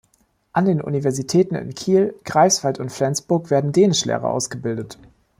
An den Universitäten in Kiel, Greifswald und Flensburg werden Dänisch-Lehrer ausgebildet.